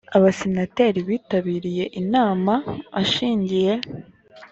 abasenateri bitabiriye inama ashingiye